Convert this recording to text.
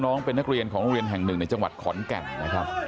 น้องเป็นนักเรียนของโรงเรียนแห่งหนึ่งในจังหวัดขอนแก่นนะครับ